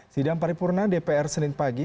sidang paripurna dpr senin pagi